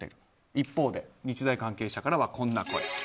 一方で、日大関係者からはこんな声。